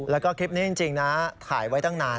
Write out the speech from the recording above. แล้วก็คลิปนี้จริงนะถ่ายไว้ตั้งนาน